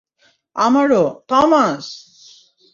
আমারও, থমাস!